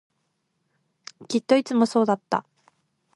きっといつもそうだった